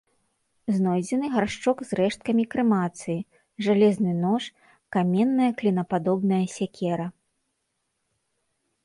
Знойдзены гаршчок з рэшткамі крэмацыі, жалезны нож, каменная клінападобная сякера.